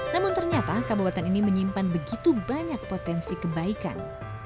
namun ternyata kabupaten ini menyimpan begitu banyak potensi kebaikan